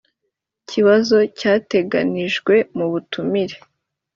kibazo cyateganijwe mu butumire